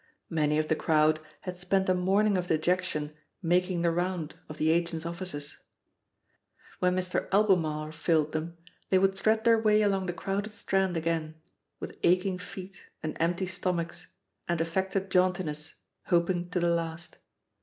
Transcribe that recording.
Many of the crowd had spent a morning of de jection "making the round" of the agents' offices. When Mr. Albemarle failed them, they would thread their way along the crowded Strand again — ^with aching feet, and empty stomachs, and affected jauntiness, hoping to the last.